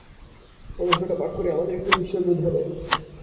ঐ অংশটা পাঠ করে আমাদের একটু বিস্ময় বোধ হল।